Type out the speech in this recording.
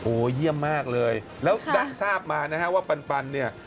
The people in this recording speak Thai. โอ้โหเยี่ยมมากเลยแล้วได้ทราบมานะฮะว่าปันเนี่ย